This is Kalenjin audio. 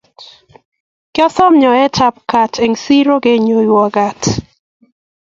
Kyosom nyoetab gaat eng siro kenyonywa gaat